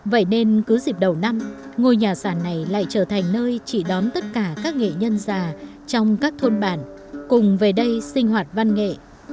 vậy nên cứ dịp đầu năm ngôi nhà sàn này lại trở thành nơi chị đón tất cả các nghệ nhân già trong các thôn bản cùng về đây sinh hoạt văn nghệ